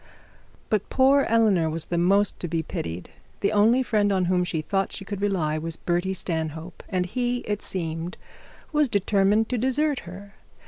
But poor Eleanor was the most to be pitied. The only friend on whom she thought she could rely, was Bertie Stanhope, and he, it seemed, was determined to desert her.